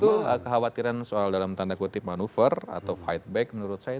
betul kekhawatiran soal dalam tanda kutip manuver atau fight back menurut saya